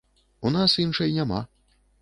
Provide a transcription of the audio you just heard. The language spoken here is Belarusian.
У нас іншай няма.